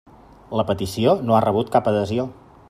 La petició no ha rebut cap adhesió.